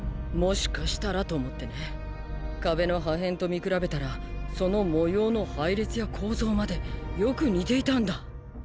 もしかしたらと思ってね「壁」の破片と見比べたらその模様の配列や構造までよく似ていたんだ。